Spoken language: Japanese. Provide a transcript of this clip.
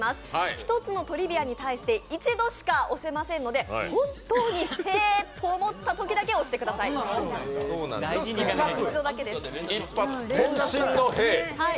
１つのトリビアに対して１度しか押せませんので本当にへぇと思ったときだけ押してください一発、こん身のへぇ。